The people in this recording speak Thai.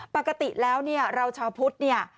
ปกติแล้วเนี่ยเราชาวพุทธเนี่ย